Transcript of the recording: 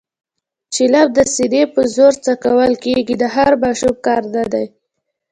چلم د سینې په زور څکول کېږي، د هر ماشوم کار نه دی.